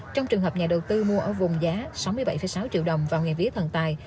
trong trường hợp nhà đầu tư mua ở vùng giá sáu mươi bảy sáu triệu đồng vào ngày vía thần tài